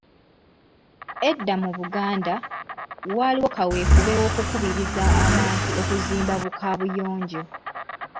Edda mu Buganda, waaliwo kaweefube w‘okukubiriza abantu okuzimba bu Kabuyonjo.